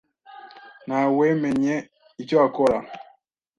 Nawemenye icyo akora.